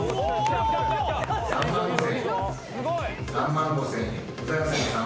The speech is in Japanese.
３万５，０００円。